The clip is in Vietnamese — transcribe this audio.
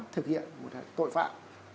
thực hiện một tội phạm